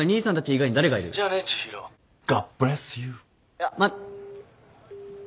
いやまっ。